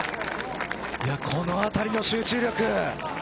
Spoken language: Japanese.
このあたりの集中力。